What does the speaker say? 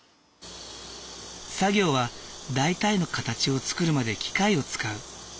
作業は大体の形を作るまで機械を使う。